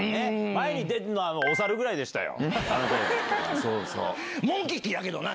前に出るのはおさるぐらいでしたよ。